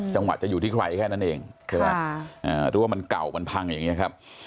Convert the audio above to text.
จังหวัดจะอยู่ที่ไขว้แค่นั้นเองค่ะอ่ารู้ว่ามันเก่ามันพังอย่างเงี้ยครับ